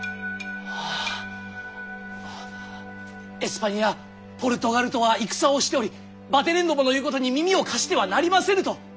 あエスパニアポルトガルとは戦をしておりバテレンどもの言うことに耳を貸してはなりませぬと。